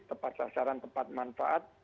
tepat sasaran tepat manfaat